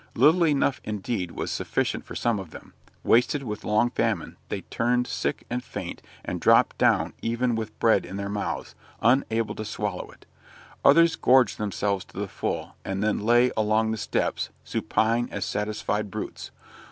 Little enough, indeed, was sufficient for some of them; wasted with long famine, they turned sick and faint, and dropped down even with bread in their mouths, unable to swallow it. Others gorged themselves to the full, and then lay along the steps, supine as satisfied brutes.